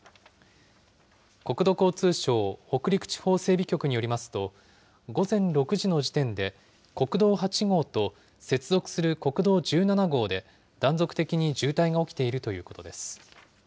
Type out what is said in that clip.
国土交通省北陸地方整備局によりますと、午前６時の時点で、国道８号と接続する国道１７号で、断続的に渋滞が起きているということです。